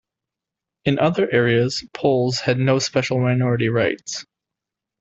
In other areas Poles had no special minority rights.